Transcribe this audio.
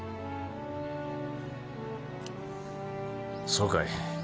そうかい。